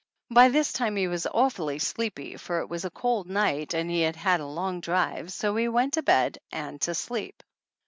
By this time he was awfully sleepy, for it was a cold night and he had had a long drive, so he went to bed and to sleep.